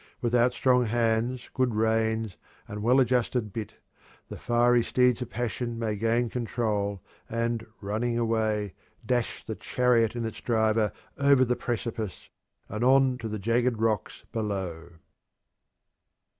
Without strong hands, good reins, and well adjusted bit, the fiery steeds of passion may gain control and, running away, dash the chariot and its driver over the precipice and on to the jagged rocks below.